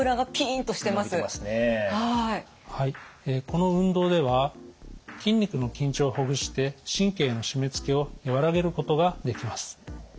この運動では筋肉の緊張をほぐして神経の締めつけを和らげることができます。